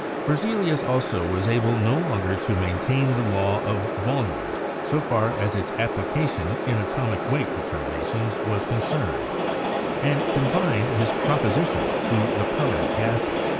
Berzelius also was able no longer to maintain the law of volumes so far as its application in atomic weight de terminations was concerned, and confined his proposition to the permanent gases.